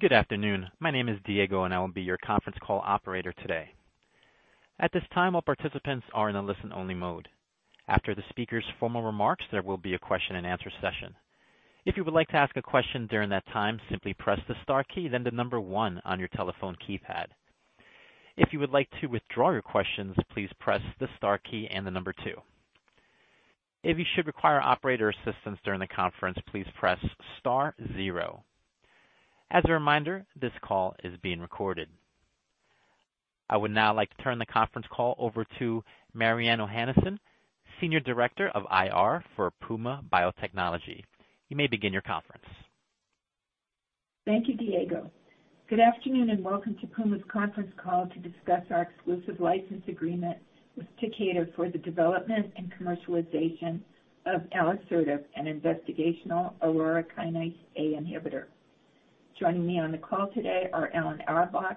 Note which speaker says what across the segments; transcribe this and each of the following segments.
Speaker 1: Good afternoon. My name is Diego, and I will be your conference call operator today. At this time, all participants are in a listen-only mode. After the speaker's formal remarks, there will be a question-and-answer session. If you would like to ask a question during that time, simply press the star key, then the number one on your telephone keypad. If you would like to withdraw your questions, please press the star key and the number two. If you should require operator assistance during the conference, please press star zero. As a reminder, this call is being recorded. I would now like to turn the conference call over to Mariann Ohanesian, Senior Director of IR for Puma Biotechnology. You may begin your conference.
Speaker 2: Thank you, Diego. Good afternoon, and welcome to Puma's conference call to discuss our exclusive license agreement with Takeda for the development and commercialization of alisertib, an investigational aurora kinase A inhibitor. Joining me on the call today are Alan Auerbach,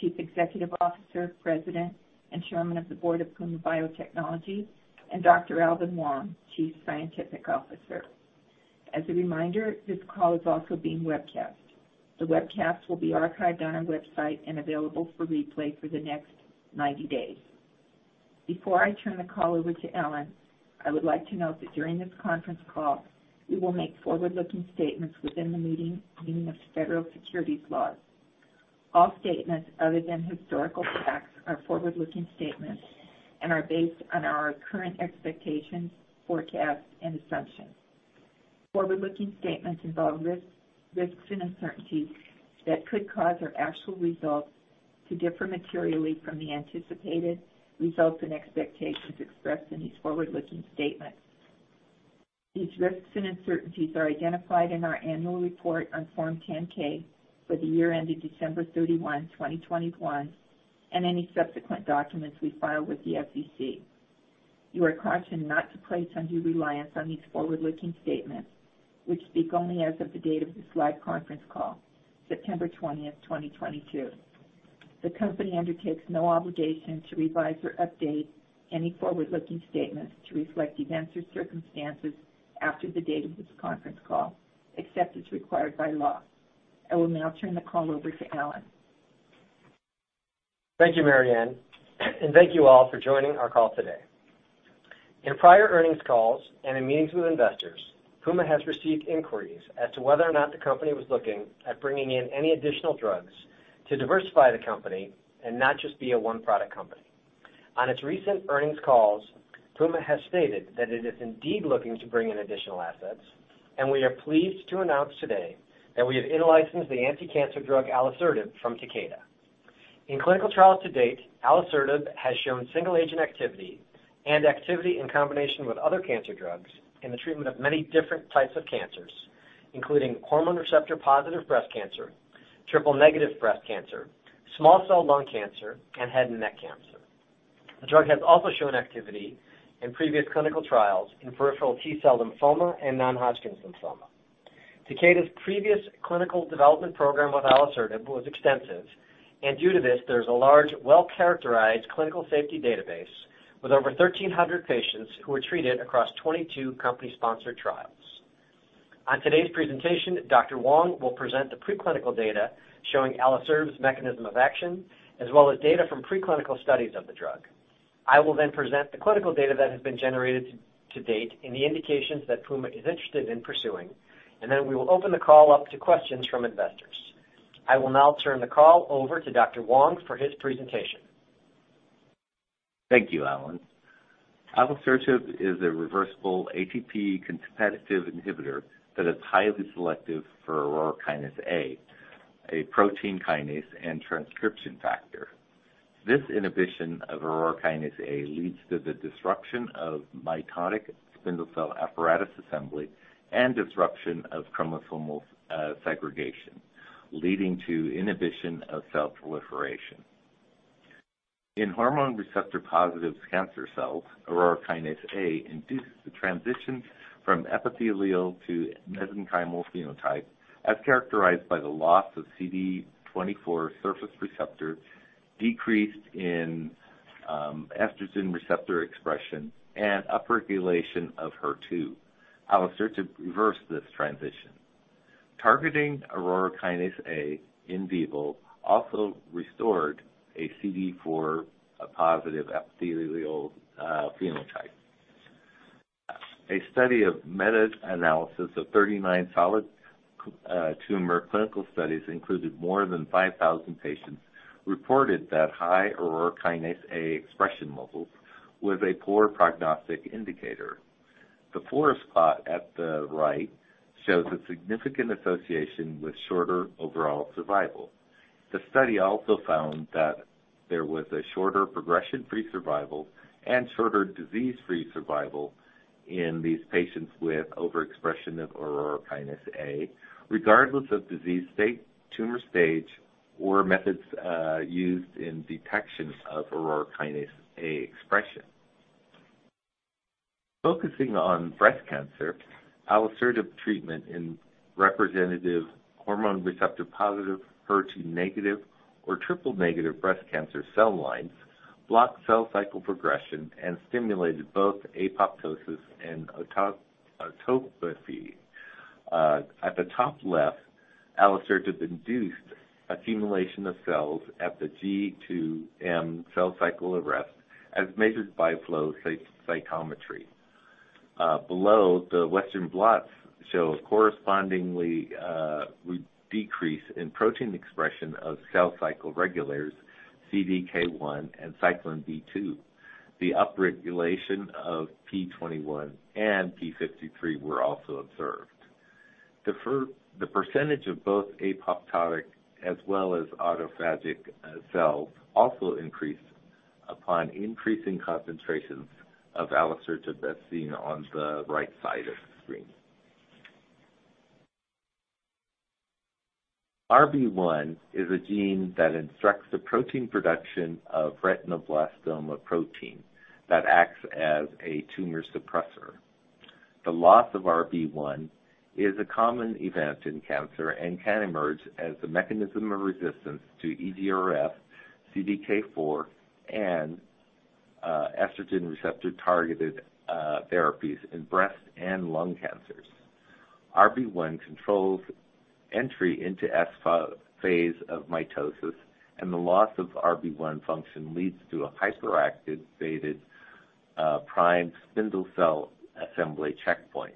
Speaker 2: Chief Executive Officer, President, and Chairman of the Board of Puma Biotechnology, and Dr. Alvin Wong, Chief Scientific Officer. As a reminder, this call is also being webcast. The webcast will be archived on our website and available for replay for the next 90 days. Before I turn the call over to Alan, I would like to note that during this conference call, we will make forward-looking statements within the meaning of federal securities laws. All statements other than historical facts are forward-looking statements and are based on our current expectations, forecasts, and assumptions. Forward-looking statements involve risks and uncertainties that could cause our actual results to differ materially from the anticipated results and expectations expressed in these forward-looking statements. These risks and uncertainties are identified in our annual report on Form 10-K for the year ended December 31, 2021, and any subsequent documents we file with the SEC. You are cautioned not to place undue reliance on these forward-looking statements, which speak only as of the date of this live conference call, September 20, 2022. The company undertakes no obligation to revise or update any forward-looking statements to reflect events or circumstances after the date of this conference call, except as required by law. I will now turn the call over to Alan.
Speaker 3: Thank you, Mariann, and thank you all for joining our call today. In prior earnings calls and in meetings with investors, Puma has received inquiries as to whether or not the company was looking at bringing in any additional drugs to diversify the company and not just be a one-product company. On its recent earnings calls, Puma has stated that it is indeed looking to bring in additional assets, and we are pleased to announce today that we have in-licensed the anticancer drug alisertib from Takeda. In clinical trials to date, alisertib has shown single-agent activity and activity in combination with other cancer drugs in the treatment of many different types of cancers, including hormone receptor-positive breast cancer, triple-negative breast cancer, small cell lung cancer, and head and neck cancer. The drug has also shown activity in previous clinical trials in peripheral T-cell lymphoma and non-Hodgkin's lymphoma. Takeda's previous clinical development program with alisertib was extensive, and due to this, there's a large, well-characterized clinical safety database with over 1,300 patients who were treated across 22 company-sponsored trials. On today's presentation, Dr. Wong will present the preclinical data showing alisertib's mechanism of action, as well as data from preclinical studies of the drug. I will then present the clinical data that has been generated to date in the indications that Puma is interested in pursuing, and then we will open the call up to questions from investors. I will now turn the call over to Dr. Wong for his presentation.
Speaker 4: Thank you, Alan. Alisertib is a reversible ATP competitive inhibitor that is highly selective for aurora kinase A, a protein kinase and transcription factor. This inhibition of aurora kinase A leads to the disruption of mitotic spindle cell apparatus assembly and disruption of chromosomal segregation, leading to inhibition of cell proliferation. In hormone receptor-positive cancer cells, aurora kinase A induces the transition from epithelial to mesenchymal phenotype, as characterized by the loss of CD24 surface receptor, decrease in estrogen receptor expression, and upregulation of HER2. Alisertib reversed this transition. Targeting aurora kinase A in vivo also restored a CD24-positive epithelial phenotype. A study of meta-analysis of 39 solid tumor clinical studies included more than 5,000 patients, reported that high aurora kinase A expression levels was a poor prognostic indicator. The forest plot at the right shows a significant association with shorter overall survival. The study also found that there was a shorter progression-free survival and shorter disease-free survival in these patients with overexpression of aurora kinase A, regardless of disease state, tumor stage, or methods used in detection of aurora kinase A expression. Focusing on breast cancer, alisertib treatment in representative hormone receptor-positive, HER2-negative, or triple-negative breast cancer cell lines. Block cell cycle progression and stimulated both apoptosis and autophagy. At the top left, alisertib induced accumulation of cells at the G2M cell cycle arrest as measured by flow cytometry. Below, the Western blots show a corresponding decrease in protein expression of cell cycle regulators CDK1 and cyclin B2. The upregulation of p21 and p53 were also observed. The percentage of both apoptotic as well as autophagic cells also increased upon increasing concentrations of alisertib as seen on the right side of the screen. RB1 is a gene that instructs the protein production of retinoblastoma protein that acts as a tumor suppressor. The loss of RB1 is a common event in cancer and can emerge as a mechanism of resistance to EGFR, CDK4, and estrogen receptor-targeted therapies in breast and lung cancers. RB1 controls entry into S phase of mitosis, and the loss of RB1 function leads to a hyperactivated primed spindle assembly checkpoint.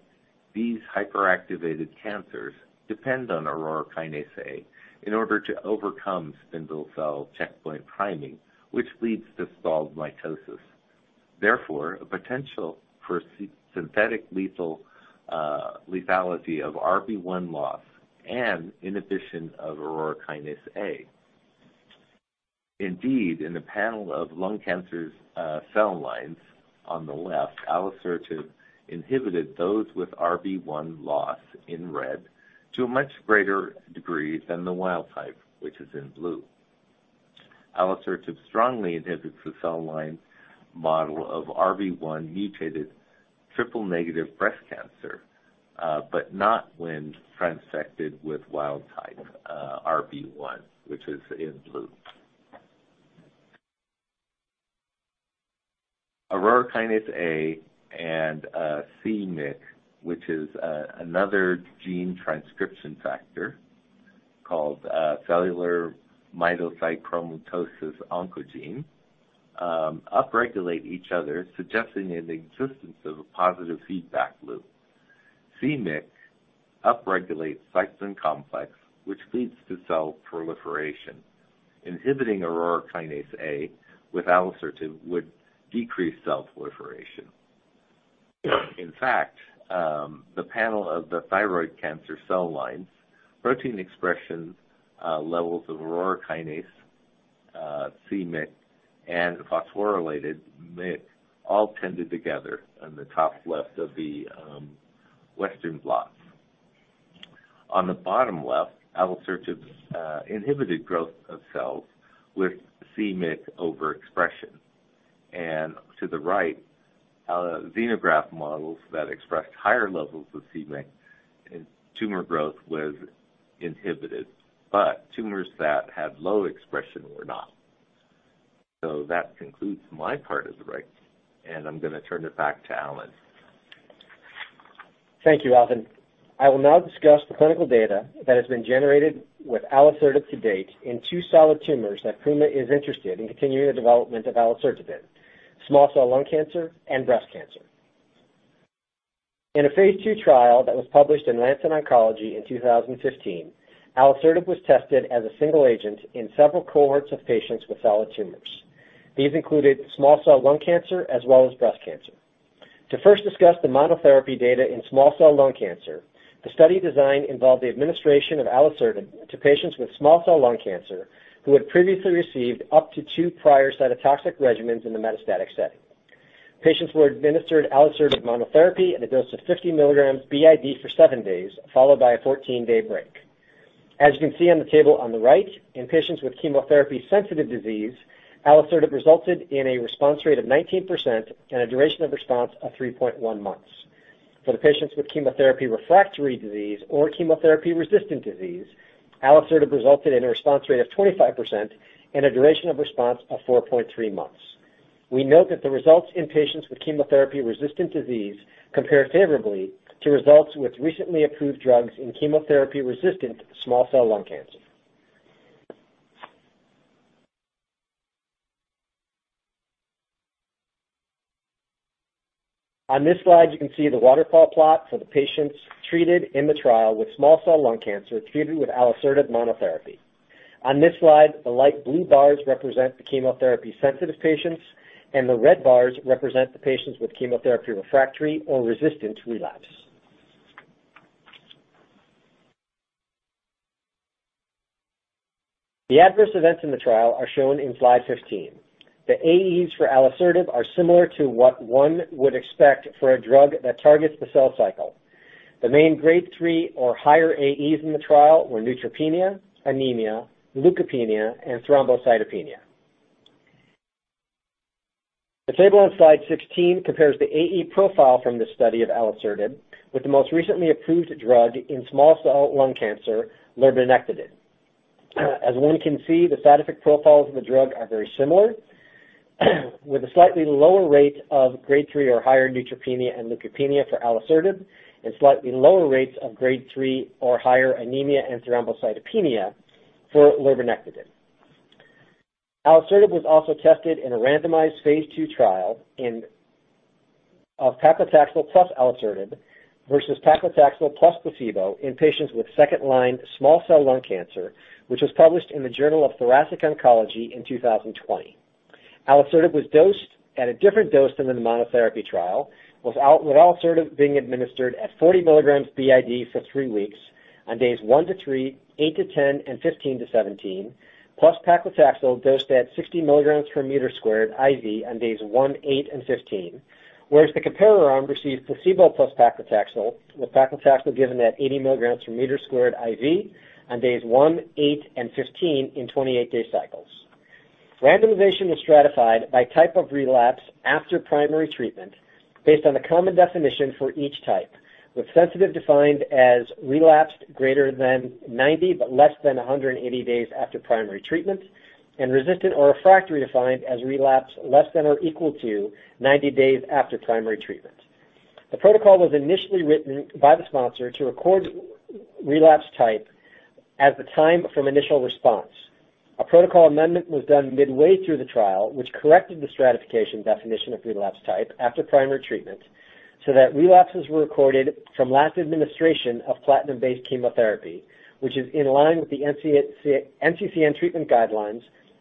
Speaker 4: These hyperactivated cancers depend on aurora kinase A in order to overcome spindle assembly checkpoint priming, which leads to stalled mitosis, therefore a potential for synthetic lethal lethality of RB1 loss and inhibition of aurora kinase A. Indeed, in a panel of lung cancers, cell lines on the left, alisertib inhibited those with RB1 loss, in red, to a much greater degree than the wild type, which is in blue. Alisertib strongly inhibits the cell line model of RB1 mutated triple-negative breast cancer, but not when transfected with wild type, RB1, which is in blue. Aurora kinase A and c-MYC, which is another gene transcription factor called cellular mitochondrial mitosis oncogene, upregulate each other, suggesting the existence of a positive feedback loop. c-MYC upregulates cyclin complex, which leads to cell proliferation. Inhibiting aurora kinase A with alisertib would decrease cell proliferation. In fact, the panel of the thyroid cancer cell lines, protein expression levels of aurora kinase, c-MYC, and phosphorylated MYC all tended together on the top left of the western blots. On the bottom left, alisertib inhibited growth of cells with c-MYC overexpression. To the right, xenograft models that expressed higher levels of c-MYC in tumor growth was inhibited, but tumors that had low expression were not. That concludes my part of the break, and I'm gonna turn it back to Alan.
Speaker 3: Thank you, Alvin. I will now discuss the clinical data that has been generated with alisertib to date in two solid tumors that Puma is interested in continuing the development of alisertib in small cell lung cancer and breast cancer. In a phase 2 trial that was published in The Lancet Oncology in 2015, alisertib was tested as a single agent in several cohorts of patients with solid tumors. These included small cell lung cancer as well as breast cancer. To first discuss the monotherapy data in small cell lung cancer, the study design involved the administration of alisertib to patients with small cell lung cancer who had previously received up to 2 prior cytotoxic regimens in the metastatic setting. Patients were administered alisertib monotherapy at a dose of 50 milligrams BID for 7 days, followed by a 14-day break. As you can see on the table on the right, in patients with chemotherapy-sensitive disease, alisertib resulted in a response rate of 19% and a duration of response of 3.1 months. For the patients with chemotherapy-refractory disease or chemotherapy-resistant disease, alisertib resulted in a response rate of 25% and a duration of response of 4.3 months. We note that the results in patients with chemotherapy-resistant disease compare favorably to results with recently approved drugs in chemotherapy-resistant small cell lung cancer. On this slide, you can see the waterfall plot for the patients treated in the trial with small cell lung cancer treated with alisertib monotherapy. On this slide, the light blue bars represent the chemotherapy-sensitive patients, and the red bars represent the patients with chemotherapy-refractory or resistant relapse. The adverse events in the trial are shown in slide 15. The AEs for alisertib are similar to what one would expect for a drug that targets the cell cycle. The main grade three or higher AEs in the trial were neutropenia, anemia, leukopenia, and thrombocytopenia. The table on slide 16 compares the AEs profile from the study of alisertib with the most recently approved drug in small cell lung cancer, lurbinectedin. As one can see, the side effect profiles of the drug are very similar, with a slightly lower rate of grade three or higher neutropenia and leukopenia for alisertib and slightly lower rates of grade three or higher anemia and thrombocytopenia for lurbinectedin. Alisertib was also tested in a randomized phase 2 trial of paclitaxel plus alisertib versus paclitaxel plus placebo in patients with second-line small cell lung cancer, which was published in the Journal of Thoracic Oncology in 2020. Alisertib was dosed at a different dose than in the monotherapy trial, with alisertib being administered at 40 mg BID for 3 weeks on days 1 to 3, 8 to 10, and 15 to 17, plus paclitaxel dosed at 60 mg/m² IV on days 1, 8, and 15, whereas the comparator arm received placebo plus paclitaxel, with paclitaxel given at 80 mg/m² IV on days 1, 8, and 15 in 28-day cycles. Randomization was stratified by type of relapse after primary treatment based on the common definition for each type, with sensitive defined as relapsed greater than 90 but less than 180 days after primary treatment, and resistant or refractory defined as relapse less than or equal to 90 days after primary treatment. The protocol was initially written by the sponsor to record relapse type at the time from initial response. A protocol amendment was done midway through the trial, which corrected the stratification definition of relapse type after primary treatment so that relapses were recorded from last administration of platinum-based chemotherapy, which is in line with the NCCN treatment guidelines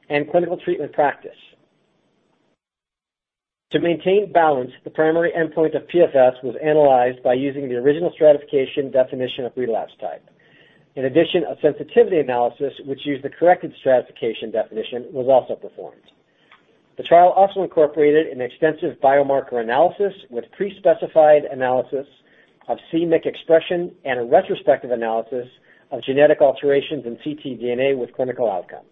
Speaker 3: and clinical treatment practice. To maintain balance the primary endpoint of PFS was analyzed by using the original stratification definition of relapse type. In addition a sensitivity analysis, which used the corrected stratification definition, was also performed. The trial also incorporated an extensive biomarker analysis with pre-specified analysis of c-MYC expression and a retrospective analysis of genetic alterations in ctDNA with clinical outcome.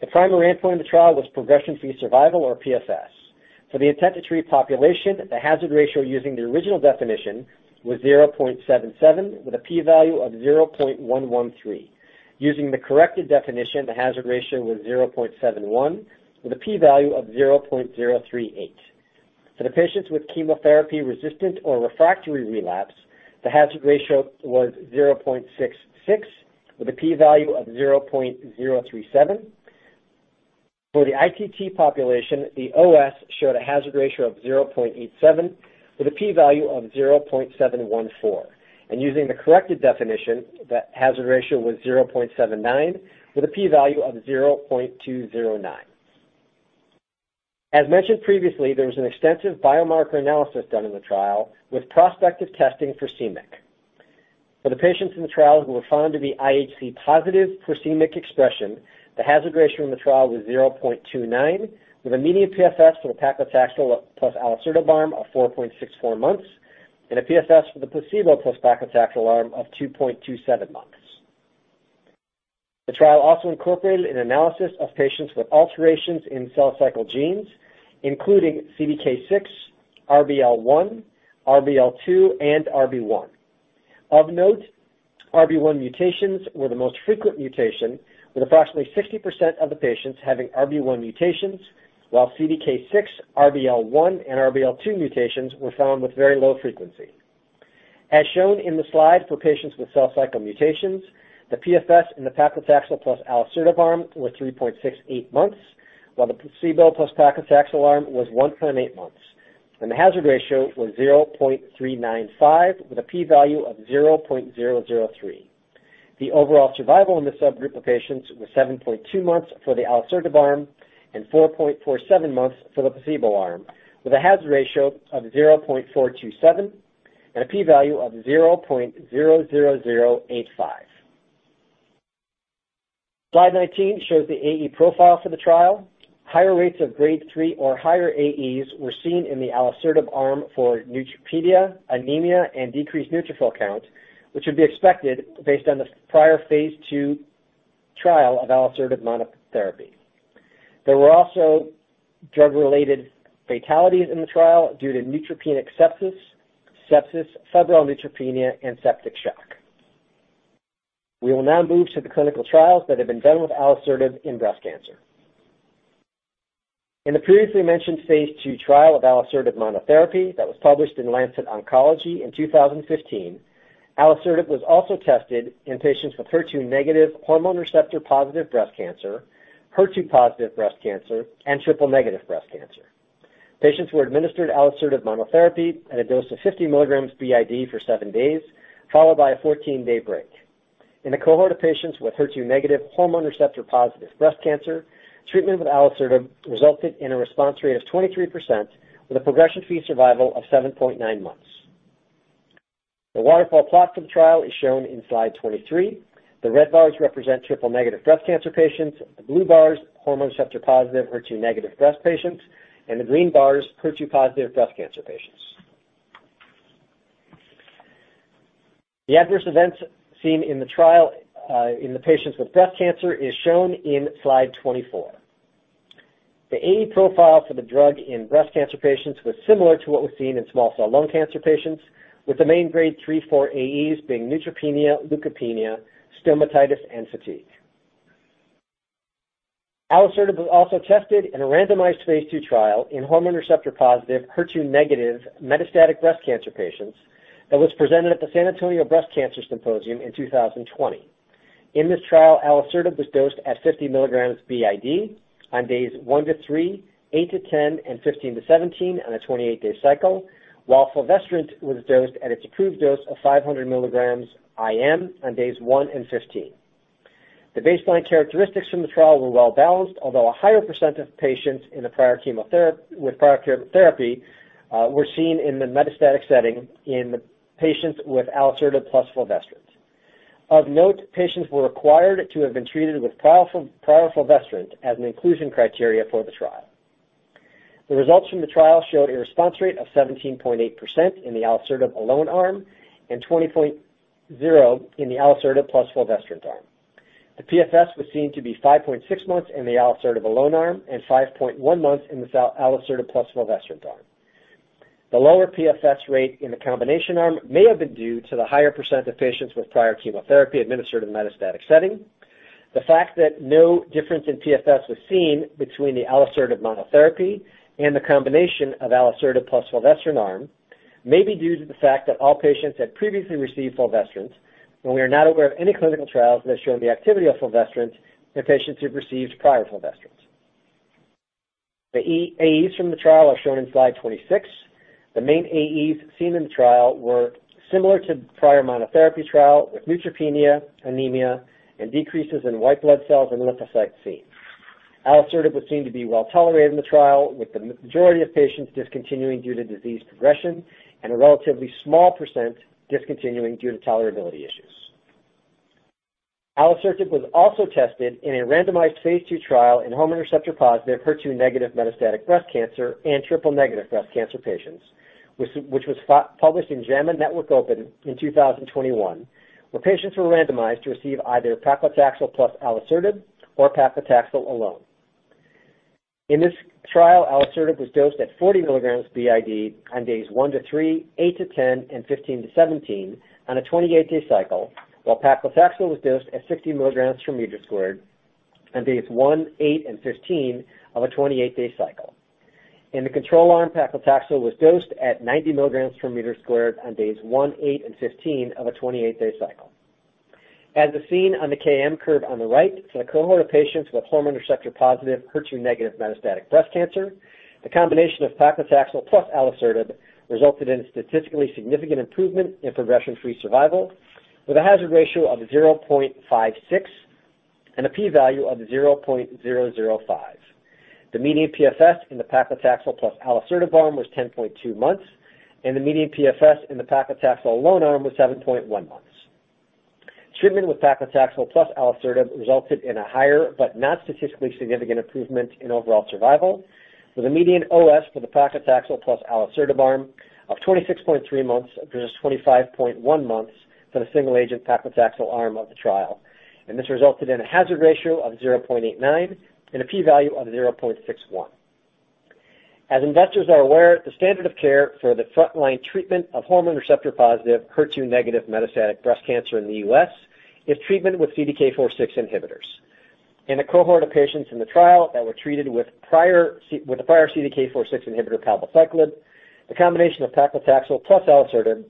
Speaker 3: The primary endpoint in the trial was progression-free survival, or PFS. For the intent-to-treat population, the hazard ratio using the original definition was 0.77, with a P value of 0.113. Using the corrected definition, the hazard ratio was 0.71 with a P value of 0.038. For the patients with chemotherapy-resistant or refractory relapse, the hazard ratio was 0.66 with a P value of 0.037. For the ITT population, the OS showed a hazard ratio of 0.87 with a P value of 0.714, and using the corrected definition, that hazard ratio was 0.79 with a P value of 0.209. As mentioned previously, there was an extensive biomarker analysis done in the trial with prospective testing for c-MYC. For the patients in the trial who were found to be IHC positive for c-MYC expression, the hazard ratio in the trial was 0.29, with a median PFS for the paclitaxel plus alisertib arm of 4.64 months and a PFS for the placebo plus paclitaxel arm of 2.27 months. The trial also incorporated an analysis of patients with alterations in cell cycle genes, including CDK6, RBL1, RBL2, and RB1. Of note, RB1 mutations were the most frequent mutation with approximately 60% of the patients having RB1 mutations, while CDK6, RBL1, and RBL2 mutations were found with very low frequency. As shown in the slide for patients with cell cycle mutations, the PFS in the paclitaxel plus alisertib arm was 3.68 months, while the placebo plus paclitaxel arm was 1.8 months, and the hazard ratio was 0.395 with a P value of 0.003. The overall survival in the subgroup of patients was 7.2 months for the alisertib arm and 4.47 months for the placebo arm, with a hazard ratio of 0.427 and a P value of 0.00085. Slide 19 shows the AE profile for the trial. Higher rates of grade 3 or higher AEs were seen in the alisertib arm for neutropenia, anemia, and decreased neutrophil count, which would be expected based on the prior phase 2 trial of alisertib monotherapy. There were also drug-related fatalities in the trial due to neutropenic sepsis, febrile neutropenia, and septic shock. We will now move to the clinical trials that have been done with alisertib in breast cancer. In the previously mentioned phase 2 trial of alisertib monotherapy that was published in Lancet Oncology in 2015, alisertib was also tested in patients with HER2-negative hormone receptor-positive breast cancer, HER2-positive breast cancer, and triple-negative breast cancer. Patients were administered alisertib monotherapy at a dose of 50 milligrams BID for 7 days, followed by a 14-day break. In a cohort of patients with HER2-negative hormone receptor-positive breast cancer, treatment with alisertib resulted in a response rate of 23% with a progression-free survival of 7.9 months. The waterfall plot for the trial is shown in slide 23. The red bars represent triple-negative breast cancer patients, the blue bars hormone receptor positive HER2 negative breast patients, and the green bars HER2 positive breast cancer patients. The adverse events seen in the trial, in the patients with breast cancer is shown in slide 24. The AE profile for the drug in breast cancer patients was similar to what was seen in small cell lung cancer patients with the main grade 3-4 AEs being neutropenia, leukopenia, stomatitis, and fatigue. alisertib was also tested in a randomized phase 2 trial in hormone receptor positive HER2 negative metastatic breast cancer patients that was presented at the San Antonio Breast Cancer Symposium in 2020. In this trial, alisertib was dosed at 50 milligrams BID on days 1 to 3, 8 to 10, and 15 to 17 on a 28-day cycle, while fulvestrant was dosed at its approved dose of 500 milligrams IM on days 1 and 15. The baseline characteristics from the trial were well-balanced, although a higher percent of patients with prior therapy were seen in the metastatic setting in the patients with alisertib plus fulvestrant. Of note, patients were required to have continued the treated with prior fulvestrant as an inclusion criteria for the trial. The results from the trial showed a response rate of 17.8% in the alisertib alone arm and 20.0% in the alisertib plus fulvestrant arm. The PFS was seen to be 5.6 months in the alisertib alone arm and 5.1 months in the alisertib plus fulvestrant arm. The lower PFS rate in the combination arm may have been due to the higher % of patients with prior chemotherapy administered in metastatic setting. The fact that no difference in PFS was seen between the alisertib monotherapy and the combination of alisertib plus fulvestrant arm may be due to the fact that all patients had previously received fulvestrant, and we are not aware of any clinical trials that have shown the activity of fulvestrant in patients who've received prior fulvestrant. The AEs from the trial are shown in slide 26. The main AEs seen in the trial were similar to prior monotherapy trial, with neutropenia, anemia, and decreases in white blood cells and lymphocytes seen. Alisertib was seen to be well-tolerated in the trial, with the majority of patients discontinuing due to disease progression and a relatively small percent discontinuing due to tolerability issues. Alisertib was also tested in a randomized phase 2 trial in hormone receptor-positive HER2-negative metastatic breast cancer and triple-negative breast cancer patients, which was published in JAMA Network Open in 2021, where patients were randomized to receive either paclitaxel plus alisertib or paclitaxel alone. In this trial, alisertib was dosed at 40 milligrams BID on days 1-3, 8-10, and 15-17 on a 28-day cycle, while paclitaxel was dosed at 60 milligrams per square meter on days 1, 8, and 15 of a 28-day cycle. In the control arm, paclitaxel was dosed at 90 milligrams per square meter on days 1, 8, and 15 of a 28-day cycle. As is seen on the KM curve on the right, for the cohort of patients with hormone receptor positive HER2 negative metastatic breast cancer, the combination of paclitaxel plus alisertib resulted in a statistically significant improvement in progression-free survival with a hazard ratio of 0.56 and a P value of 0.005. The median PFS in the paclitaxel plus alisertib arm was 10.2 months, and the median PFS in the paclitaxel alone arm was 7.1 months. Treatment with paclitaxel plus alisertib resulted in a higher but not statistically significant improvement in overall survival, with a median OS for the paclitaxel plus alisertib arm of 26.3 months versus 25.1 months for the single-agent paclitaxel arm of the trial. This resulted in a hazard ratio of 0.89 and a P value of 0.61. As investors are aware, the standard of care for the frontline treatment of hormone receptor-positive HER2-negative metastatic breast cancer in the U.S. is treatment with CDK4/6 inhibitors. In a cohort of patients in the trial that were treated with the prior CDK4/6 inhibitor palbociclib, the combination of paclitaxel plus alisertib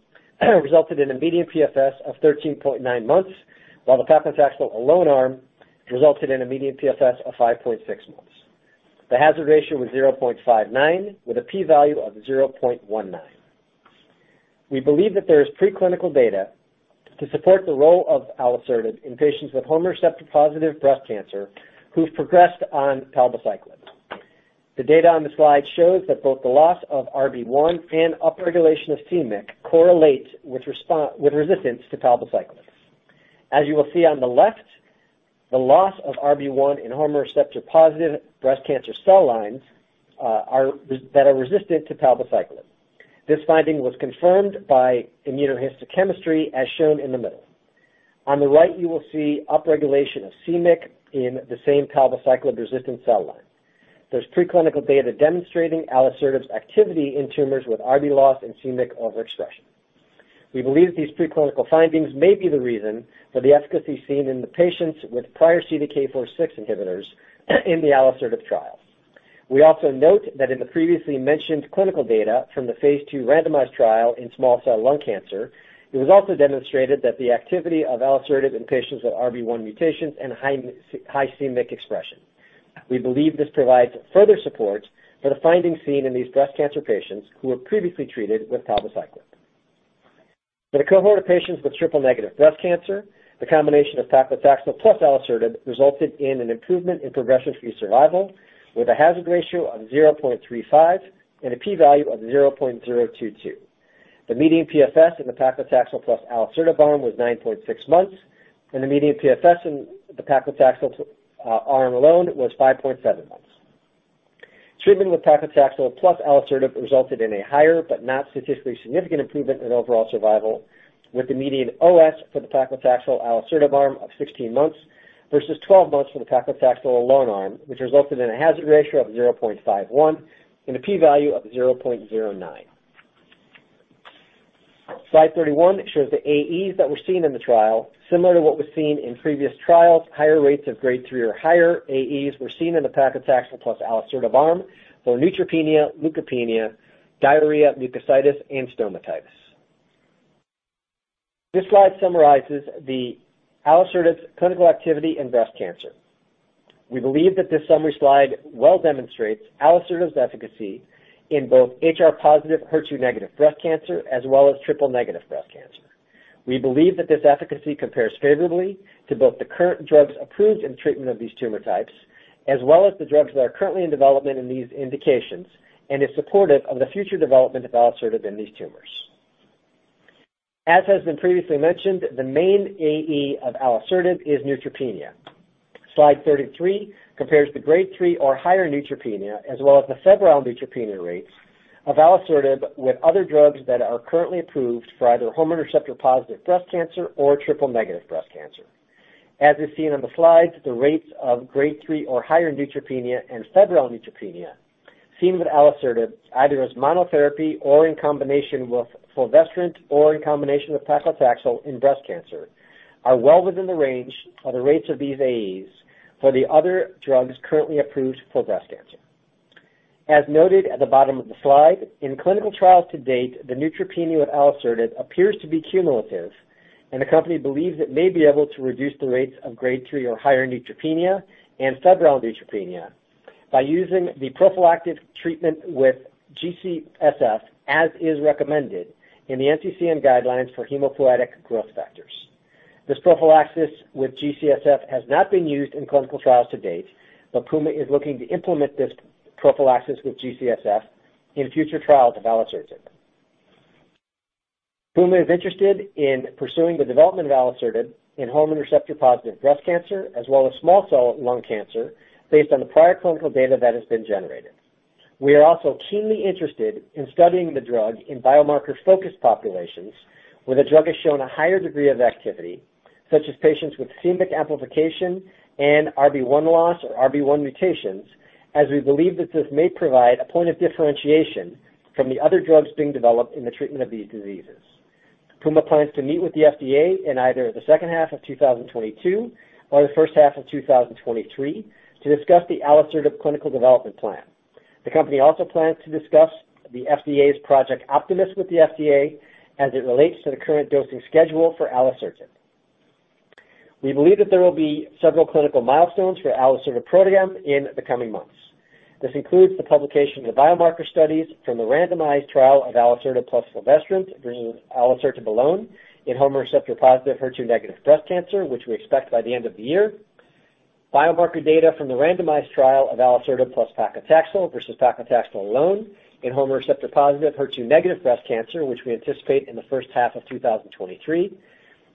Speaker 3: resulted in a median PFS of 13.9 months, while the paclitaxel alone arm resulted in a median PFS of 5.6 months. The hazard ratio was 0.59, with a P value of 0.19. We believe that there is preclinical data to support the role of alisertib in patients with hormone receptor-positive breast cancer who've progressed on palbociclib. The data on the slide shows that both the loss of RB1 and upregulation of c-MYC correlate with resistance to palbociclib. As you will see on the left, the loss of RB1 in hormone receptor-positive breast cancer cell lines that are resistant to palbociclib. This finding was confirmed by immunohistochemistry, as shown in the middle. On the right, you will see upregulation of c-MYC in the same palbociclib-resistant cell line. There's preclinical data demonstrating alisertib's activity in tumors with RB loss and c-MYC overexpression. We believe these preclinical findings may be the reason for the efficacy seen in the patients with prior CDK4/6 inhibitors in the alisertib trial. We also note that in the previously mentioned clinical data from the phase 2 randomized trial in small cell lung cancer, it was also demonstrated that the activity of alisertib in patients with RB1 mutations and high c-MYC expression. We believe this provides further support for the findings seen in these breast cancer patients who were previously treated with palbociclib. For the cohort of patients with triple-negative breast cancer, the combination of paclitaxel plus alisertib resulted in an improvement in progression-free survival with a hazard ratio of 0.35 and a P value of 0.022. The median PFS in the paclitaxel plus alisertib arm was 9.6 months, and the median PFS in the paclitaxel arm alone was 5.7 months. Treatment with paclitaxel plus alisertib resulted in a higher but not statistically significant improvement in overall survival with the median OS for the paclitaxel alisertib arm of 16 months versus 12 months for the paclitaxel alone arm, which resulted in a hazard ratio of 0.51 and a P value of 0.09. Slide 31 shows the AEs that were seen in the trial. Similar to what was seen in previous trials, higher rates of grade 3 or higher AEs were seen in the paclitaxel plus alisertib arm for neutropenia, leukopenia, diarrhea, mucositis, and stomatitis. This slide summarizes alisertib's clinical activity in breast cancer. We believe that this summary slide well demonstrates alisertib's efficacy in both HR-positive HER2-negative breast cancer as well as triple-negative breast cancer. We believe that this efficacy compares favorably to both the current drugs approved in treatment of these tumor types as well as the drugs that are currently in development in these indications and is supportive of the future development of alisertib in these tumors. As has been previously mentioned, the main AE of alisertib is neutropenia. Slide 33 compares the grade 3 or higher neutropenia as well as the febrile neutropenia rates of alisertib with other drugs that are currently approved for either hormone receptor-positive breast cancer or triple-negative breast cancer. As is seen on the slide, the rates of grade three or higher neutropenia and febrile neutropenia seen with alisertib, either as monotherapy or in combination with fulvestrant or in combination with paclitaxel in breast cancer, are well within the range of the rates of these AEs for the other drugs currently approved for breast cancer. As noted at the bottom of the slide, in clinical trials to date, the neutropenia with alisertib appears to be cumulative, and the company believes it may be able to reduce the rates of grade three or higher neutropenia and febrile neutropenia by using the prophylactic treatment with GCSF as is recommended in the NCCN guidelines for hematopoietic growth factors. This prophylaxis with GCSF has not been used in clinical trials to date, but Puma is looking to implement this prophylaxis with GCSF in future trials of alisertib. Puma is interested in pursuing the development of alisertib in hormone receptor-positive breast cancer as well as small cell lung cancer based on the prior clinical data that has been generated. We are also keenly interested in studying the drug in biomarker-focused populations where the drug has shown a higher degree of activity, such as patients with c-MYC amplification and RB1 loss or RB1 mutations, as we believe that this may provide a point of differentiation from the other drugs being developed in the treatment of these diseases. Puma plans to meet with the FDA in either the second half of 2022 or the first half of 2023 to discuss the alisertib clinical development plan. The company also plans to discuss the FDA's Project Optimus with the FDA as it relates to the current dosing schedule for alisertib. We believe that there will be several clinical milestones for alisertib program in the coming months. This includes the publication of biomarker studies from the randomized trial of alisertib plus fulvestrant versus alisertib alone in hormone receptor-positive HER2-negative breast cancer, which we expect by the end of the year, biomarker data from the randomized trial of alisertib plus paclitaxel versus paclitaxel alone in hormone receptor-positive HER2-negative breast cancer, which we anticipate in the first half of 2023,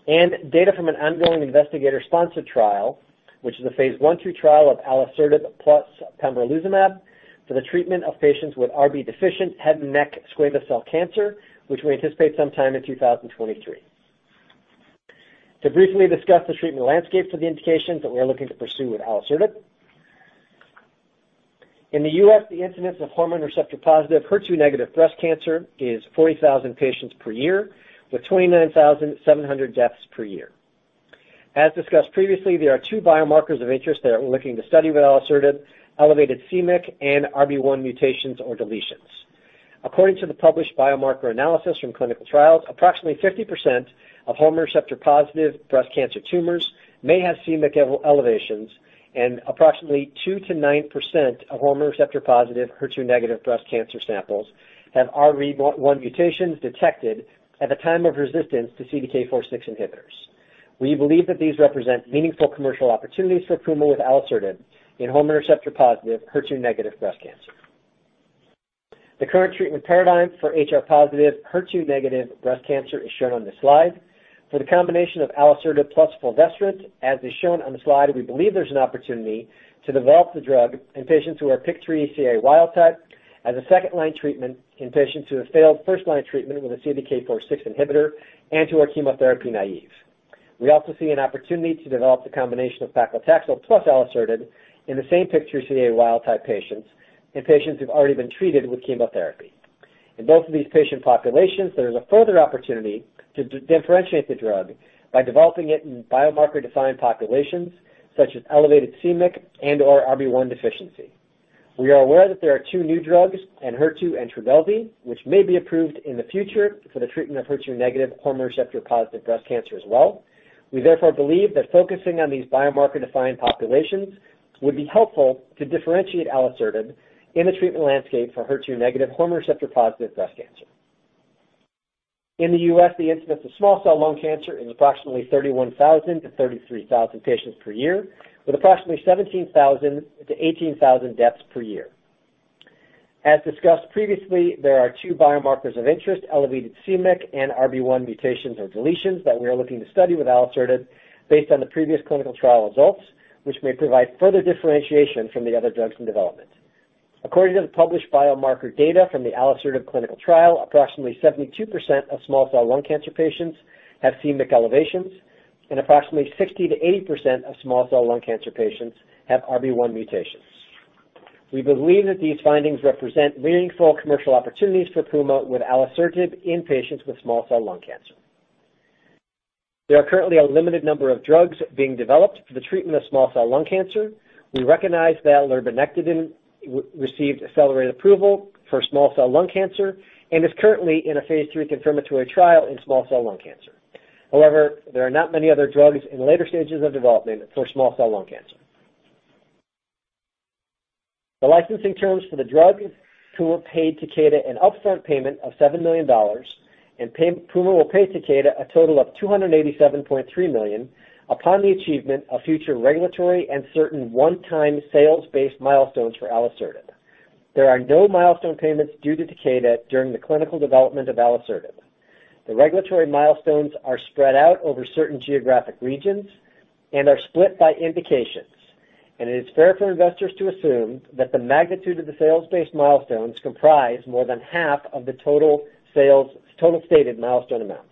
Speaker 3: and data from an ongoing investigator-sponsored trial, which is a phase 1/2 trial of alisertib plus pembrolizumab for the treatment of patients with RB-deficient head and neck squamous cell cancer, which we anticipate sometime in 2023. To briefly discuss the treatment landscape for the indications that we are looking to pursue with alisertib. In the U.S., the incidence of hormone receptor-positive HER2-negative breast cancer is 40,000 patients per year, with 29,700 deaths per year. As discussed previously, there are two biomarkers of interest that we are looking to study with alisertib, elevated c-MYC and RB1 mutations or deletions. According to the published biomarker analysis from clinical trials, approximately 50% of hormone receptor-positive breast cancer tumors may have c-MYC elevations, and approximately 2%-9% of hormone receptor-positive HER2-negative breast cancer samples have RB1 mutations detected at the time of resistance to CDK4/6 inhibitors. We believe that these represent meaningful commercial opportunities for Puma with alisertib in hormone receptor-positive HER2-negative breast cancer. The current treatment paradigm for HR-positive HER2-negative breast cancer is shown on this slide. For the combination of alisertib plus fulvestrant, as is shown on the slide, we believe there's an opportunity to develop the drug in patients who are PIK3CA wild type as a second-line treatment in patients who have failed first-line treatment with a CDK4/6 inhibitor and who are chemotherapy naive. We also see an opportunity to develop the combination of paclitaxel plus alisertib in the same PIK3CA wild type patients in patients who have already been treated with chemotherapy. In both of these patient populations, there is a further opportunity to differentiate the drug by developing it in biomarker-defined populations such as elevated c-MYC and/or RB1 deficiency. We are aware that there are two new drugs, Enhertu and Trodelvy, which may be approved in the future for the treatment of HER2-negative hormone receptor-positive breast cancer as well. We therefore believe that focusing on these biomarker-defined populations would be helpful to differentiate alisertib in the treatment landscape for HER2-negative hormone receptor-positive breast cancer. In the U.S., the incidence of small cell lung cancer is approximately 31,000-33,000 patients per year, with approximately 17,000-18,000 deaths per year. As discussed previously, there are two biomarkers of interest, elevated c-MYC and RB1 mutations or deletions that we are looking to study with alisertib based on the previous clinical trial results, which may provide further differentiation from the other drugs in development. According to the published biomarker data from the alisertib clinical trial, approximately 72% of small cell lung cancer patients have c-MYC elevations, and approximately 60%-80% of small cell lung cancer patients have RB1 mutations. We believe that these findings represent meaningful commercial opportunities for Puma with alisertib in patients with small cell lung cancer. There are currently a limited number of drugs being developed for the treatment of small cell lung cancer. We recognize that lurbinectedin received accelerated approval for small cell lung cancer, and is currently in a phase three confirmatory trial in small cell lung cancer. However, there are not many other drugs in the later stages of development for small cell lung cancer. The licensing terms for the drug, Puma paid Takeda an upfront payment of $7 million, and Puma will pay Takeda a total of $287.3 million upon the achievement of future regulatory and certain one-time sales-based milestones for alisertib. There are no milestone payments due to Takeda during the clinical development of alisertib. The regulatory milestones are spread out over certain geographic regions and are split by indications, and it is fair for investors to assume that the magnitude of the sales-based milestones comprise more than half of the total stated milestone amount.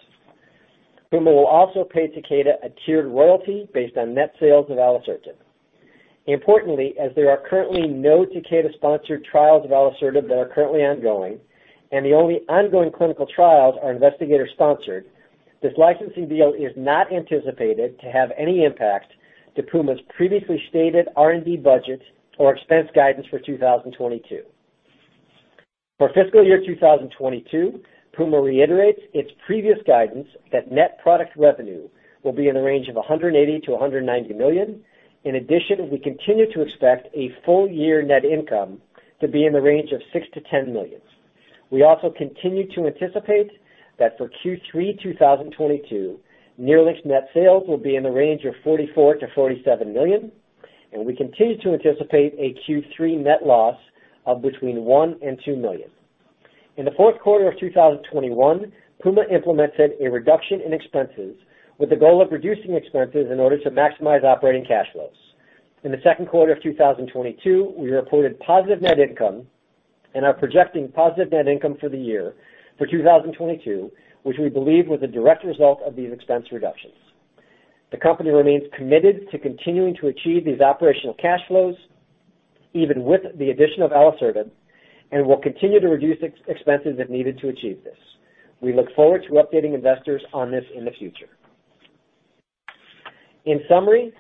Speaker 3: Puma will also pay Takeda a tiered royalty based on net sales of alisertib. Importantly, as there are currently no Takeda-sponsored trials of alisertib that are currently ongoing, and the only ongoing clinical trials are investigator-sponsored, this licensing deal is not anticipated to have any impact to Puma's previously stated R&D budget or expense guidance for 2022. For fiscal year 2022, Puma reiterates its previous guidance that net product revenue will be in the range of $180 million-$190 million. In addition, we continue to expect full year net income to be in the range of $6 million-$10 million. We also continue to anticipate that for Q3 2022, NERLYNX net sales will be in the range of $44 million-$47 million, and we continue to anticipate a Q3 net loss of between $1 million and $2 million. In the Q4 of 2021, Puma implemented a reduction in expenses with the goal of reducing expenses in order to maximize operating cash flows. In the Q2 of 2022, we reported positive net income and are projecting positive net income for the year for 2022, which we believe was a direct result of these expense reductions. The company remains committed to continuing to achieve these operational cash flows, even with the addition of alisertib, and will continue to reduce expenses if needed to achieve this. We look forward to updating investors on this in the future. In summary,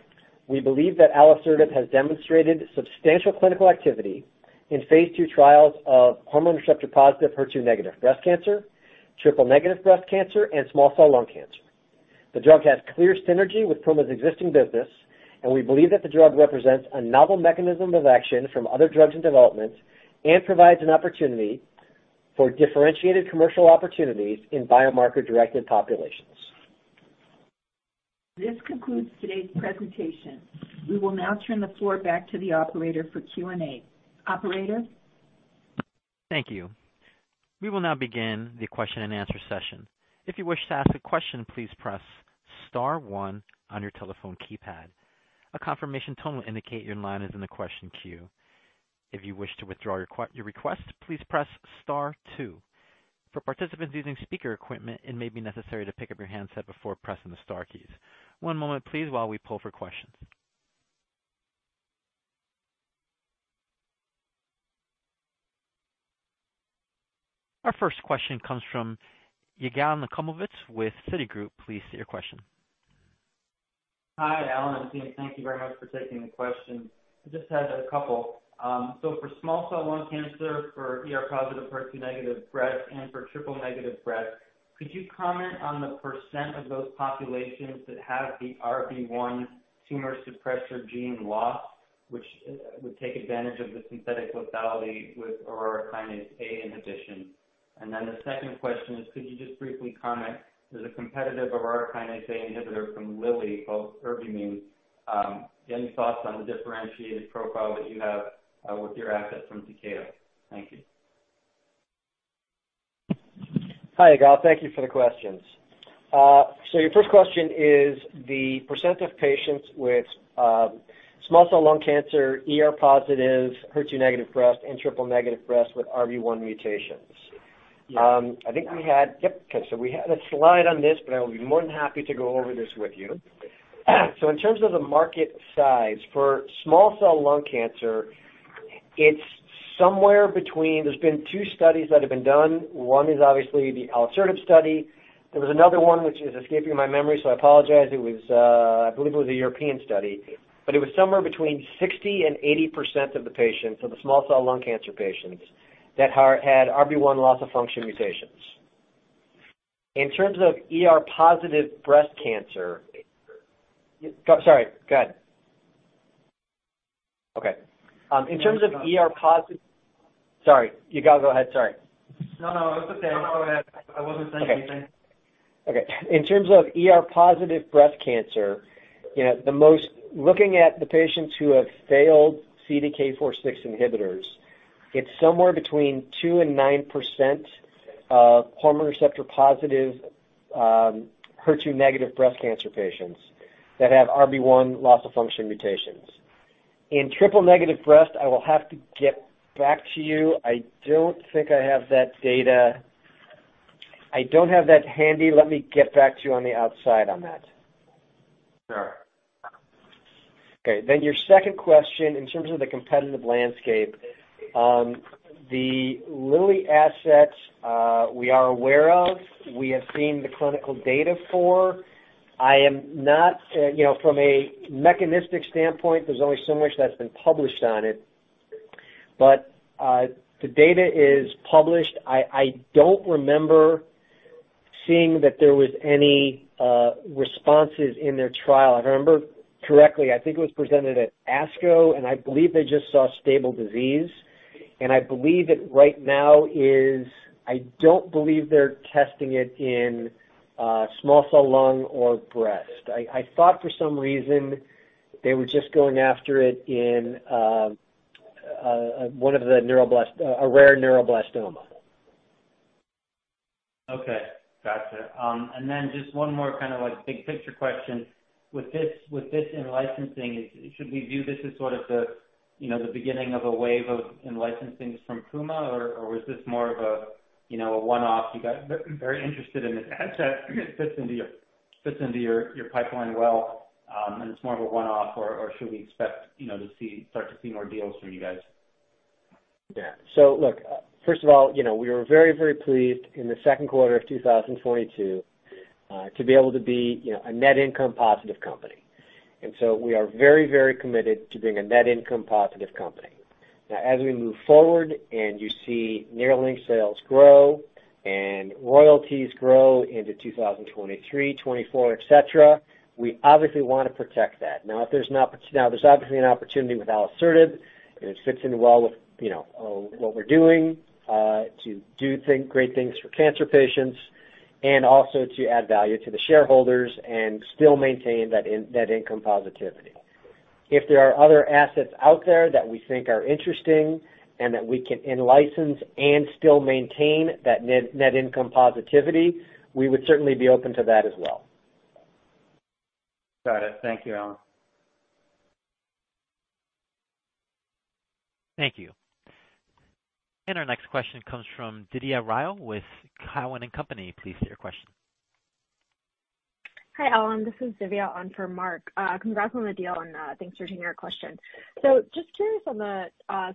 Speaker 3: we believe that alisertib has demonstrated substantial clinical activity in phase 2 trials of hormone receptor-positive, HER2-negative breast cancer, triple-negative breast cancer, and small cell lung cancer. The drug has clear synergy with Puma's existing business, and we believe that the drug represents a novel mechanism of action from other drugs in development and provides an opportunity for differentiated commercial opportunities in biomarker-directed populations.
Speaker 2: This concludes today's presentation. We will now turn the floor back to the operator for Q&A. Operator?
Speaker 1: Thank you. We will now begin the question-and-answer session. If you wish to ask a question, please press star one on your telephone keypad. A confirmation tone will indicate your line is in the question queue. If you wish to withdraw your request, please press star two. For participants using speaker equipment, it may be necessary to pick up your handset before pressing the star keys. One moment please while we pull for questions. Our first question comes from Yigal Nochomovitz with Citigroup. Please state your question.
Speaker 5: Hi, Alan and team. Thank you very much for taking the question. I just had a couple. So for small cell lung cancer, for ER-positive HER2-negative breast, and for triple-negative breast, could you comment on the % of those populations that have the RB1 tumor suppressor gene loss, which would take advantage of the synthetic lethality with aurora kinase A inhibition? The second question is, could you just briefly comment, there's a competitive aurora kinase A inhibitor from Eli Lilly called LY3295668. Any thoughts on the differentiated profile that you have with your asset from Takeda? Thank you.
Speaker 3: Hi, Yigal. Thank you for the questions. Your first question is the percent of patients with small cell lung cancer, ER positive, HER2 negative breast, and triple negative breast with RB1 mutations.
Speaker 5: Yeah.
Speaker 3: We had a slide on this, but I will be more than happy to go over this with you.
Speaker 5: Okay.
Speaker 3: In terms of the market size, for small cell lung cancer, it's somewhere between. There have been two studies that have been done. One is obviously the alisertib study. There was another one which is escaping my memory, so I apologize. It was, I believe it was a European study. It was somewhere between 60%-80% of the patients, so the small cell lung cancer patients, that had RB1 loss of function mutations. In terms of ER positive breast cancer. Sorry, go ahead. Okay. In terms of ER positive. Sorry. Yigal, go ahead, sorry.
Speaker 5: No, no, it's okay. I'll go ahead. I wasn't saying anything.
Speaker 3: Okay. In terms of ER-positive breast cancer, you know, looking at the patients who have failed CDK4/6 inhibitors, it's somewhere between 2%-9% of hormone receptor-positive, HER2-negative breast cancer patients that have RB1 loss of function mutations. In triple-negative breast, I will have to get back to you. I don't think I have that data. I don't have that handy. Let me get back to you offline on that.
Speaker 5: Sure.
Speaker 3: Okay. Your second question, in terms of the competitive landscape, the Lilly assets, we are aware of. We have seen the clinical data for. I am not, you know, from a mechanistic standpoint, there's only so much that's been published on it, but the data is published. I don't remember seeing that there was any responses in their trial. If I remember correctly, I think it was presented at ASCO, and I believe they just saw stable disease. And I believe it right now is. I don't believe they're testing it in small cell lung or breast. I thought for some reason they were just going after it in one of the neuroblastomas, a rare neuroblastoma.
Speaker 5: Okay. Gotcha. Just one more kind of, like, big picture question. With this in-licensing, should we view this as sort of the, you know, the beginning of a wave of in-licensings from Puma, or is this more of a, you know, a one-off? You got very interested in this asset, fits into your pipeline well, and it's more of a one-off, or should we expect, you know, start to see more deals from you guys?
Speaker 3: Yeah. Look, first of all, you know, we were very, very pleased in the Q2 of 2022 to be able to be, you know, a net income positive company. We are very, very committed to being a net income positive company. Now, as we move forward and you see NERLYNX sales grow and royalties grow into 2023, 2024, et cetera, we obviously want to protect that. Now, there is obviously an opportunity with alisertib, and it fits in well with, you know, what we're doing to do great things for cancer patients and also to add value to the shareholders and still maintain that net income positivity. If there are other assets out there that we think are interesting and that we can in-license and still maintain that net income positivity, we would certainly be open to that as well.
Speaker 5: Got it. Thank you, Alan.
Speaker 1: Thank you. Our next question comes from Divya Rao with Cowen and Company. Please state your question.
Speaker 6: Hi, Alan. This is Divya Rao on for Mark. Congrats on the deal and thanks for taking our question. Just curious on the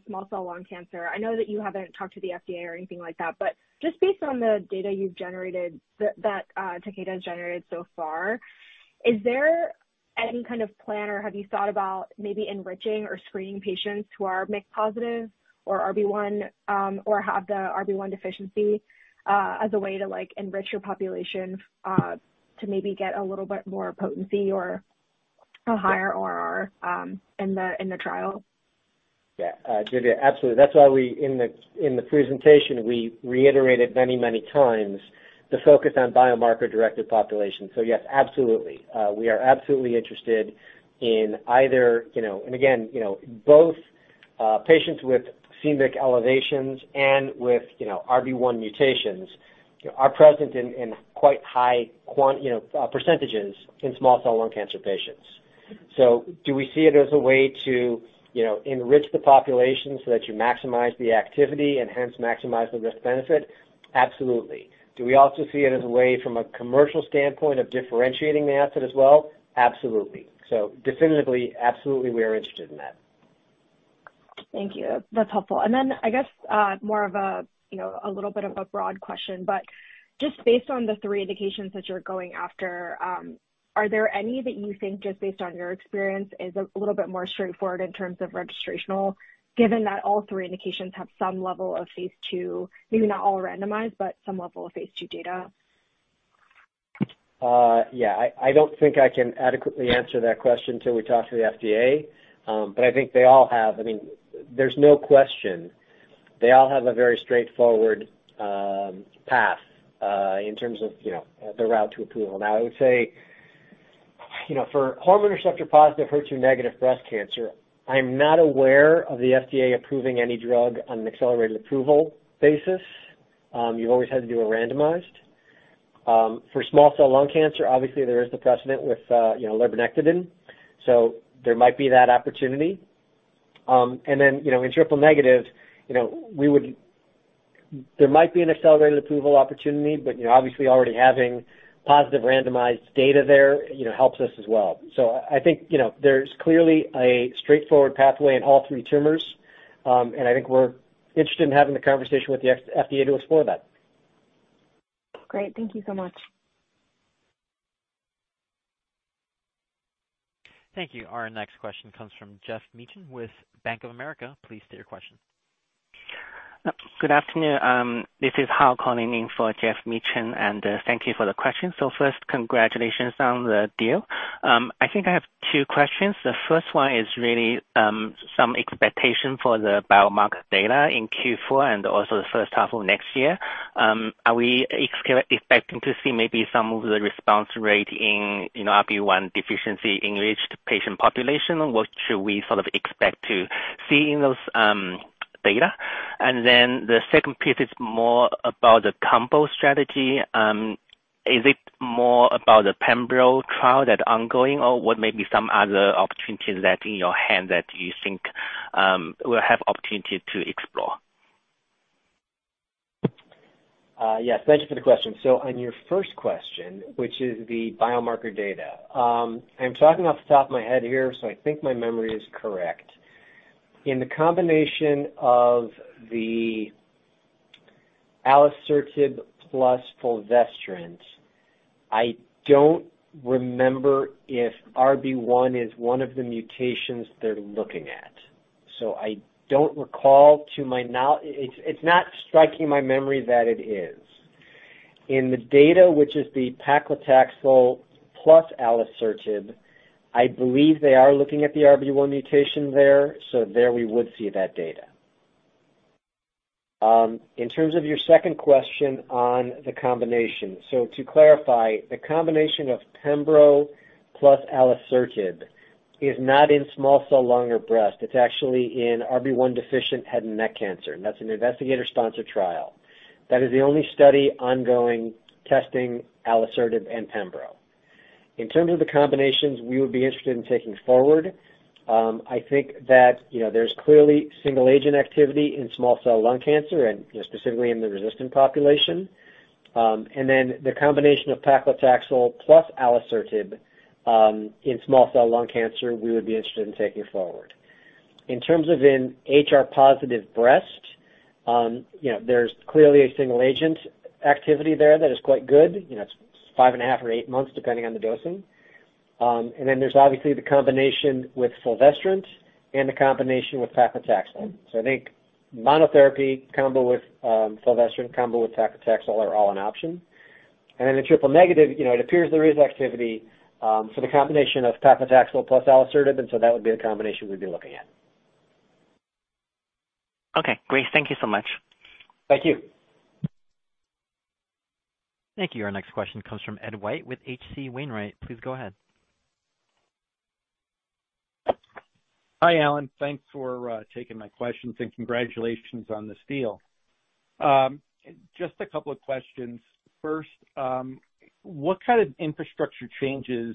Speaker 6: small cell lung cancer. I know that you haven't talked to the FDA or anything like that, but just based on the data you have generated, that Takeda has generated so far, is there any kind of plan or have you thought about maybe enriching or screening patients who are MYC positive or RB1, or have the RB1 deficiency, as a way to, like, enrich your population to maybe get a little bit more potency or a higher RR in the trial?
Speaker 3: Yeah. Divya, absolutely. That's why we, in the presentation, we reiterated many times the focus on biomarker-directed population. Yes, absolutely. We are absolutely interested in either, you know. Again, you know, both, patients with c-MYC elevations and with, you know, RB1 mutations, you know, are present in quite high you know, percentages in small cell lung cancer patients. Do we see it as a way to, you know, enrich the population so that you maximize the activity and hence maximize the risk benefit? Absolutely. Do we also see it as a way from a commercial standpoint of differentiating the asset as well? Absolutely. Definitively, absolutely, we are interested in that.
Speaker 6: Thank you. That's helpful. Then I guess, more of a, you know, a little bit of a broad question, but just based on the three indications that you are going after, are there any that you think just based on your experience is a little bit more straightforward in terms of registrational, given that all three indications have some level of phase 2, maybe not all randomized, but some level of phase 2 data?
Speaker 3: Yeah. I don't think I can adequately answer that question till we talk to the FDA. But I think they all have. I mean, there is no question they all have a very straightforward path in terms of, you know, the route to approval. Now, I would say, you know, for hormone receptor positive, HER2 negative breast cancer, I'm not aware of the FDA approving any drug on an accelerated approval basis. You have always had to do a randomized. For small cell lung cancer, obviously there is the precedent with, you know, lurbinectedin, so there might be that opportunity. In triple negative, there might be an accelerated approval opportunity, but, you know, obviously already having positive randomized data there, you know, helps us as well. I think, you know, there is clearly a straightforward pathway in all three tumors, and I think we're interested in having the conversation with the FDA to explore that.
Speaker 6: Great. Thank you so much.
Speaker 1: Thank you. Our next question comes from Geoff Meacham with Bank of America. Please state your question.
Speaker 7: Good afternoon. This is Hal calling in for Geoff Meacham, and thank you for the question. First, congratulations on the deal. I think I have two questions. The first one is really some expectation for the biomarker data in Q4 and also the first half of next year. Are we expecting to see maybe some of the response rate in, you know, RB1 deficiency-engaged patient population? What should we sort of expect to see in those data? And then the second piece is more about the combo strategy. Is it more about the pembro trial that ongoing or what may be some other opportunities that in your hand that you think will have opportunity to explore?
Speaker 3: Yes, thank you for the question. On your first question, which is the biomarker data, I'm talking off the top of my head here, I think my memory is correct. In the combination of the alisertib plus fulvestrant, I don't remember if RB1 is one of the mutations they're looking at, I don't recall. It's not striking my memory that it is. In the data, which is the paclitaxel plus alisertib, I believe they are looking at the RB1 mutation there we would see that data. In terms of your second question on the combination, to clarify, the combination of pembro plus alisertib is not in small cell lung or breast. It's actually in RB1 deficient head and neck cancer, and that's an investigator-sponsored trial. That is the only study ongoing testing alisertib and pembro. In terms of the combinations we would be interested in taking forward, I think that, you know, there's clearly single agent activity in small cell lung cancer and, you know, specifically in the resistant population. The combination of paclitaxel plus alisertib in small cell lung cancer, we would be interested in taking forward. In terms of HR-positive breast, you know, there's clearly a single agent activity there that is quite good. You know, it's 5.5 or 8 months, depending on the dosing. There's obviously the combination with fulvestrant and the combination with paclitaxel. I think monotherapy combo with fulvestrant combo with paclitaxel are all an option. In the triple negative, you know, it appears there is activity, so the combination of paclitaxel plus alisertib, and so that would be a combination we'd be looking at.
Speaker 7: Okay, great. Thank you so much.
Speaker 3: Thank you.
Speaker 1: Thank you. Our next question comes from Ed White with H.C. Wainwright. Please go ahead.
Speaker 8: Hi, Alan. Thanks for taking my questions, and congratulations on this deal. Just a couple of questions. First, what kind of infrastructure changes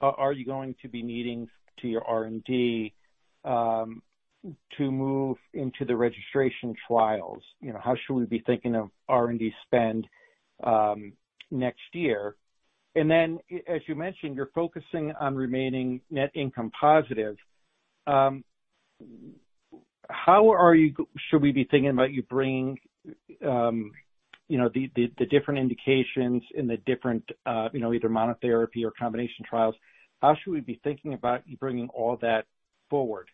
Speaker 8: are you going to be needing to your R&D to move into the registration trials? You know, how should we be thinking of R&D spend next year? As you mentioned, you're focusing on remaining net income positive. Should we be thinking about you bringing, you know, the different indications and the different, you know, either monotherapy or combination trials? How should we be thinking about you bringing all that forward?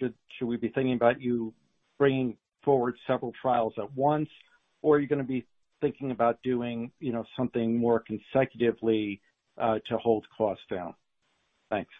Speaker 8: Should we be thinking about you bringing forward several trials at once, or are you gonna be thinking about doing, you know, something more consecutively to hold costs down? Thanks.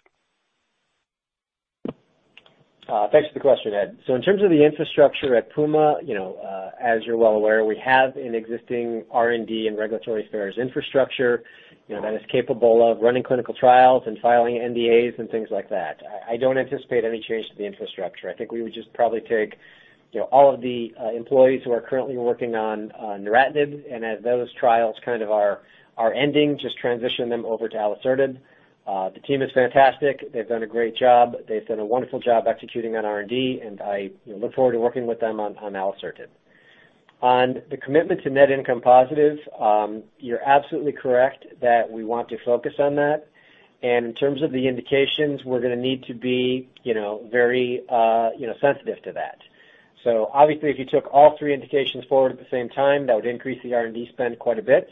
Speaker 3: Thanks for the question, Ed. In terms of the infrastructure at Puma, you know, as you are well aware, we have an existing R&D and regulatory affairs infrastructure, you know, that is capable of running clinical trials and filing NDAs and things like that. I don't anticipate any change to the infrastructure. I think we would just probably take, you know, all of the employees who are currently working on neratinib, and as those trials kind of are ending, just transition them over to alisertib. The team is fantastic. They've done a great job. They have done a wonderful job executing on R&D, and I, you know, look forward to working with them on alisertib. On the commitment to net income positive, you're absolutely correct that we want to focus on that. In terms of the indications, we're gonna need to be, you know, very, you know, sensitive to that. Obviously, if you took all three indications forward at the same time, that would increase the R&D spend quite a bit.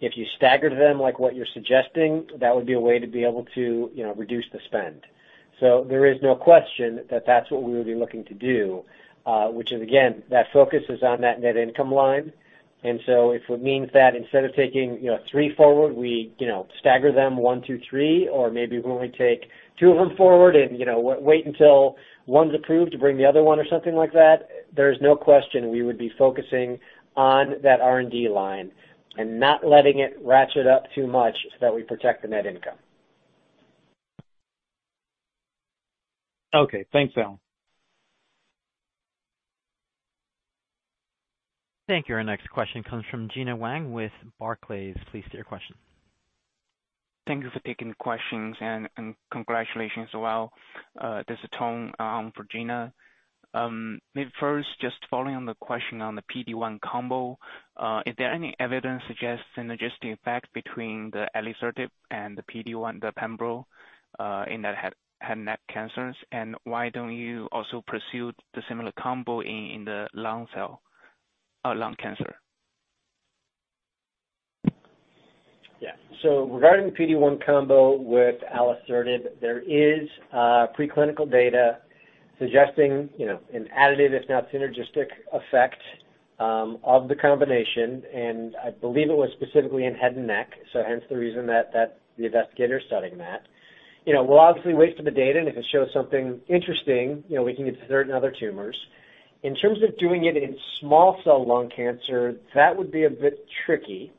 Speaker 3: If you staggered them like what you are suggesting, that would be a way to be able to, you know, reduce the spend. There is no question that that's what we would be looking to do, which is again, that focus is on that net income line. If it means that instead of taking, you know, three forward, we, you know, stagger them one to three, or maybe we only take two of them forward and, you know, wait until one's approved to bring the other one or something like that, there's no question we would be focusing on that R&D line and not letting it ratchet up too much so that we protect the net income.
Speaker 8: Okay. Thanks, Alan.
Speaker 1: Thank you. Our next question comes from Gena Wang with Barclays. Please state your question.
Speaker 9: Thank you for taking the questions, and congratulations as well. This is Tong for Gena. Maybe first, just following on the question on the PD1 combo, is there any evidence suggests synergistic effect between the alisertib and the PD1, the pembro, in the head and neck cancers? Why don't you also pursue the similar combo in the small cell lung cancer?
Speaker 3: Yeah. Regarding the PD1 combo with alisertib, there is preclinical data suggesting, you know, an additive, if not synergistic effect of the combination, and I believe it was specifically in head and neck, so hence the reason that the investigators studying that. You know, we'll obviously wait for the data, and if it shows something interesting, you know, we can get to certain other tumors. In terms of doing it in small cell lung cancer, that would be a bit tricky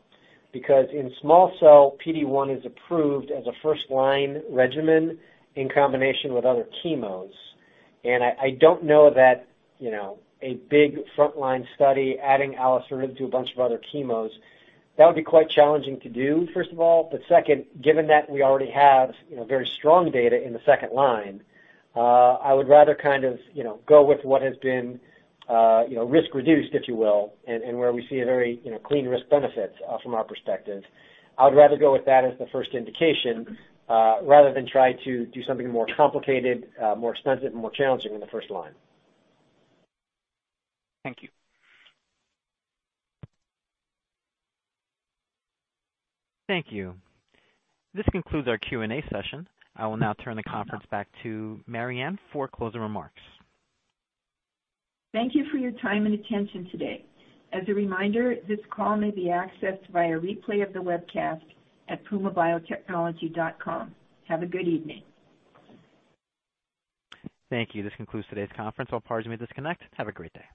Speaker 3: because in small cell, PD1 is approved as a first-line regimen in combination with other chemos. I don't know that, you know, a big frontline study adding alisertib to a bunch of other chemos, that would be quite challenging to do, first of all. Second, given that we already have, you know, very strong data in the second line, I would rather kind of, you know, go with what has been, you know, risk reduced, if you will, and where we see a very, you know, clean risk benefits, from our perspective. I would rather go with that as the first indication, rather than try to do something more complicated, more expensive, and more challenging in the first line.
Speaker 9: Thank you.
Speaker 1: Thank you. This concludes our Q&A session. I will now turn the conference back to Mariann for closing remarks.
Speaker 2: Thank you for your time and attention today. As a reminder, this call may be accessed via replay of the webcast at pumabiotechnology.com. Have a good evening.
Speaker 1: Thank you. This concludes today's conference. All parties may disconnect. Have a great day.